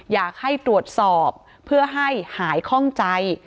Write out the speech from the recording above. อยากให้ตรวจสอบเพื่อให้หายคล่องใจ